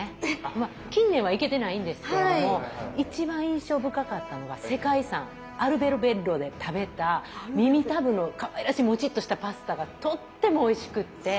まあ近年は行けてないんですけれども一番印象深かったのが世界遺産アルベロベッロで食べた耳たぶのかわいらしいもちっとしたパスタがとってもおいしくって。